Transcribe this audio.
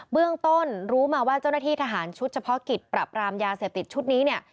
เรื่องต้นรู้มาว่าเจ้าหน้าที่ทหารชุดเฉพาะกิจปรับรามยาเสพติดชุดนี้เนี่ย